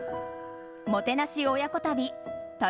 もてなし親子旅。